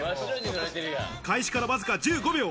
開始から、わずか１５秒。